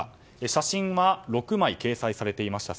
写真は６枚掲載されていました。